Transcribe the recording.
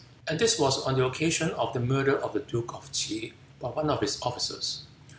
And this was on the occasion of the murder of the duke of T'se by one of his officers.